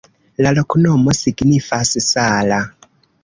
La loknomo signifas: sala.